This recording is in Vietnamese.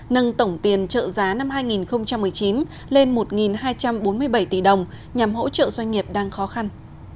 nâng tổng tiền trợ giá năm hai nghìn một mươi chín lên một hai trăm bốn mươi bảy tỷ đồng nhằm hỗ trợ doanh nghiệp đang khó khăn